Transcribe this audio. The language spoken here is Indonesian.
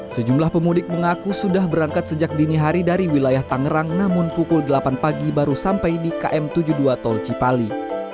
sejumlah pemudik mengaku sudah berangkat sejak dini hari dari wilayah tangerang namun pukul delapan pagi baru sampai di km tujuh puluh dua tol cipali